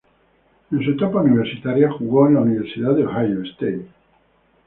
En su etapa universitaria jugó en la Universidad de Ohio State.